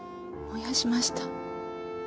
燃やしました。